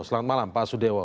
selamat malam pak sudewo